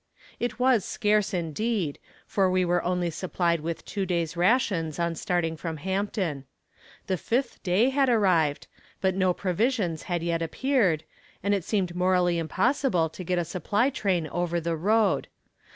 It was scarce indeed, for we were only supplied with two days' rations on starting from Hampton. The fifth day had arrived, but no provisions had yet appeared, and it seemed morally impossible to get a supply train over the road.